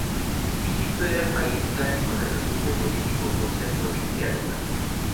Egipto era el país clásico de refugio político por ser provincia romana.